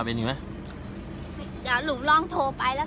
สวัสดีครับคุณพลาด